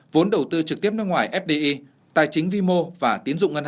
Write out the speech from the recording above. vốn đầu tư trực tiếp nước ngoài fdi tài chính vi mô và tiến dụng